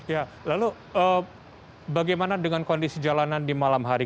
ya lalu bagaimana dengan kondisi jalanan di malam hari